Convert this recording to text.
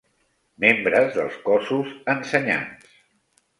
Membres dels cossos ensenyants.